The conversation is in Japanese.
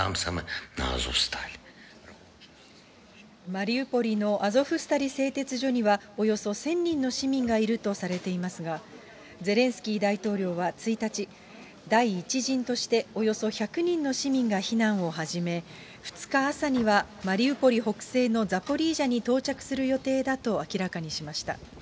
マリウポリのアゾフスタリ製鉄所には、およそ１０００人の市民がいるとされていますが、ゼレンスキー大統領は１日、第１陣としておよそ１００人の市民が避難を始め、２日朝にはマリウポリ北西のザポリージャに到着する予定だと明らかにしました。